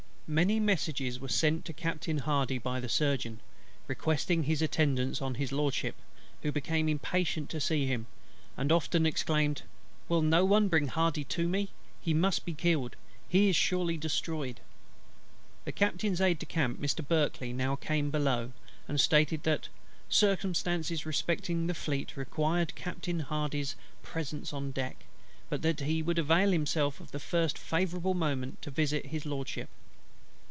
Many messages were sent to Captain HARDY by the Surgeon, requesting his attendance on His LORDSHIP; who became impatient to see him, and often exclaimed: "Will no one bring HARDY to me? He must be killed: he is surely destroyed," The Captain's Aide de camp, Mr. BULKLEY, now came below, and stated that "circumstances respecting the Fleet required Captain HARDY'S presence on deck, but that he would avail himself of the first favourable moment to visit His LORDSHIP."